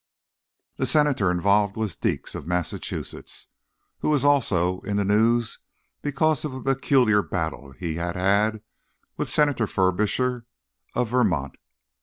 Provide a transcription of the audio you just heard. The senator involved was Deeks, of Massachusetts, who was also in the news because of a peculiar battle he had had with Senator Furbisher of Vermont.